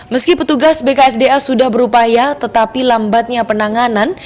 meski petugas bksda sudah berupaya tetapi lambatnya penanganan